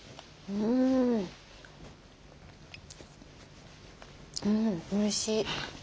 うんおいしい。